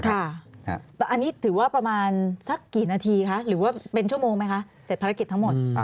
แต่อันนี้ถือว่าประมาณสักกี่นาทีคะหรือว่าเป็นชั่วโมงไหมคะเสร็จภารกิจทั้งหมด